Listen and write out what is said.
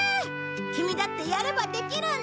キミだってやればできるんだ！